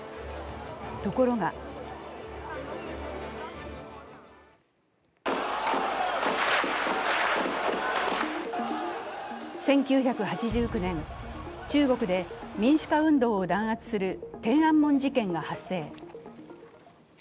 ところが１９８９年、中国で民主化運動を弾圧する天安門事件が発生。